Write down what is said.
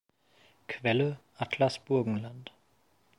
Quelle: Atlas Burgenland